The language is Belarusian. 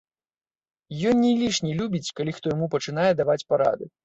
Ён не лішне любіць, калі хто яму пачынае даваць парады.